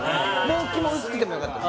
もう気持ち薄くてもよかった